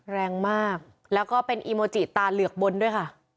แรงมากแล้วก็เป็นอีโมจิตาเหลือกบนด้วยค่ะ